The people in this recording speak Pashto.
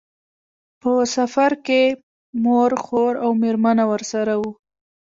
په سفر کې یې مور، خور او مېرمنه ورسره وو.